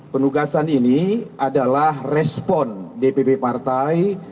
penugasan ini adalah respon dpp partai